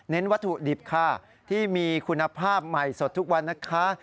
วัตถุดิบค่ะที่มีคุณภาพใหม่สดทุกวันนะคะ